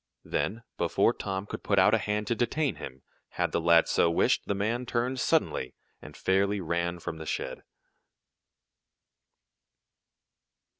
Then, before Tom could put out a hand to detain him, had the lad so wished, the man turned suddenly, and fairly ran from the shed.